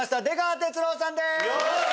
出川哲朗さんです